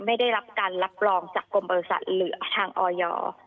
ไม่ได้รับการรับรองจากกรมบริษัทเหลือทางออย